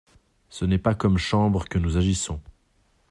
Ce n'est pas comme Chambre que nous agissons!